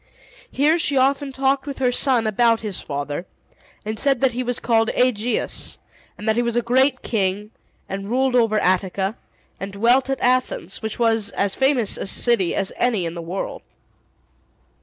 Here she often talked with her son about his father, and said that he was called Aegeus, and that he was a great king, and ruled over Attica, and dwelt at Athens, which was as famous a city as any in the world.